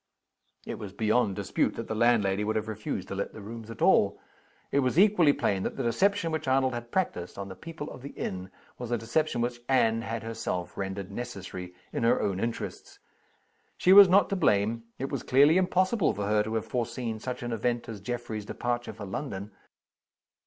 It was beyond dispute that the landlady would have refused to let the rooms at all. It was equally plain that the deception which Arnold had practiced on the people of the inn was a deception which Anne had herself rendered necessary, in her own interests. She was not to blame; it was clearly impossible for her to have foreseen such an event as Geoffrey's departure for London.